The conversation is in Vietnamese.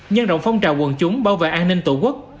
nhân động phong trào quần chúng bao vệ an ninh tổ quốc